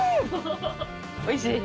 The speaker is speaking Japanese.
おいしい？